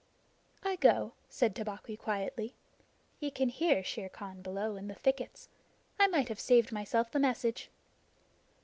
"I go," said Tabaqui quietly. "Ye can hear Shere Khan below in the thickets. I might have saved myself the message."